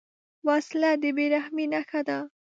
وسله د بېرحمۍ نښه ده